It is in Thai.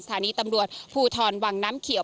สถานีตำรวจภูทรวังน้ำเขียว